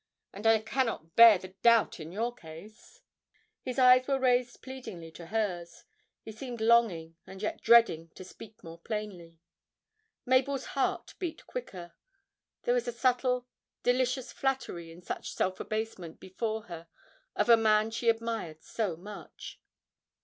And I cannot bear the doubt in your case!' His eyes were raised pleadingly to hers. He seemed longing, and yet dreading, to speak more plainly. Mabel's heart beat quicker; there was a subtle, delicious flattery in such self abasement before her of a man she admired so much.